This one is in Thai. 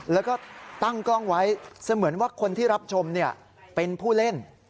แล้วก็ตั้งกล้องไว้เสมือนว่าคนที่รับชมเป็นผู้เล่น